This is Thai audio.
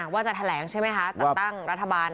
ว่าจะแถลงใช่ไหมคะจัดตั้งรัฐบาล